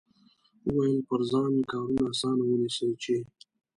وویل پر ځان کارونه اسانه ونیسئ چې.